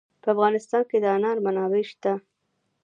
په افغانستان کې د انار منابع شته.